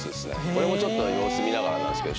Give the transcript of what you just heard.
これもちょっと様子見ながらなんですけど